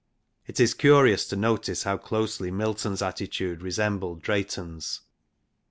It is curious to notice how closely Milton's attitude resembled Drayton's.